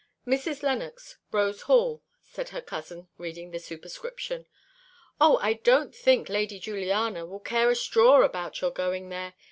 "Mrs. Lennox, Rose Hall," said her cousin, reading the superscription. "Oh! I don't think Lady Juliana will care a straw about your going there.